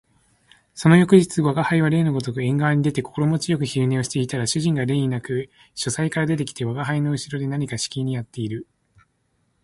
その翌日吾輩は例のごとく縁側に出て心持ち善く昼寝をしていたら、主人が例になく書斎から出て来て吾輩の後ろで何かしきりにやっている